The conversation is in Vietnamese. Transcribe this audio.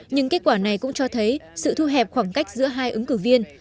nhưng kết quả này cũng cho thấy sự thu hẹp khoảng cách giữa hai ứng cử viên